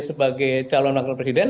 sebagai calon wakil presiden